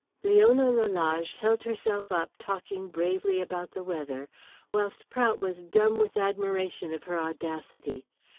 Leona Lalage held herself up talking bravely about the weather, whilst Prout was dumb with admiration of her audacity.